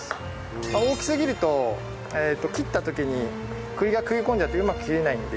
大きすぎると切った時に栗が食い込んじゃってうまく切れないんで。